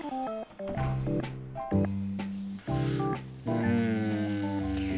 うん。